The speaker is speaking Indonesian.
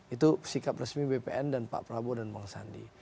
itu sikap resmi bpn dan pak prabowo dan bang sandi